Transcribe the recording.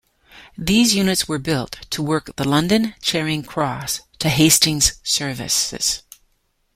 These units were built to work the London Charing Cross to Hastings services.